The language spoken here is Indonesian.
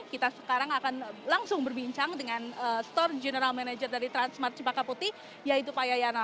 kita sekarang akan langsung berbincang dengan store general manager dari transmart cepaka putih yaitu pak yayana